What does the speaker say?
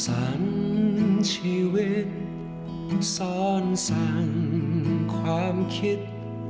สร้างสรรค์ชีวิตซ่อนสรรค์ความคิด